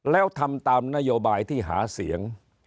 แล้วทำตามนโยบายที่หาเสียง